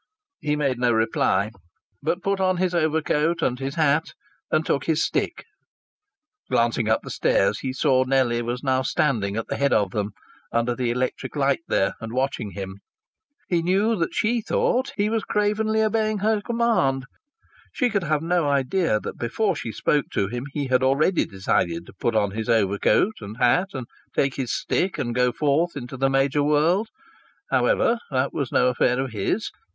He made no reply, but put on his overcoat and his hat and took his stick. Glancing up the stairs he saw Nellie was now standing at the head of them, under the electric light there, and watching him. He knew that she thought he was cravenly obeying her command. She could have no idea that before she spoke to him he had already decided to put on his overcoat and hat and take his stick and go forth into the major world. However, that was no affair of his.